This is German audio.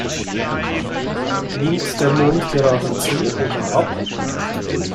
Nimmt der Mond gerade zu oder ab?